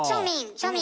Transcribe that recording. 庶民！